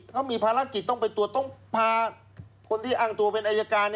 เขามีภารกิจต้องไปตรวจต้องพาคนที่อ้างตัวเป็นอายการ